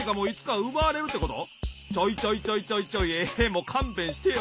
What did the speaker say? もうかんべんしてよ。